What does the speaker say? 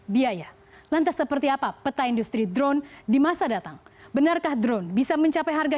biaya lantas seperti apa peta industri drone di masa datang benarkah drone bisa mencapai harga